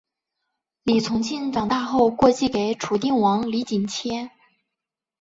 李从庆长大后过继给楚定王李景迁。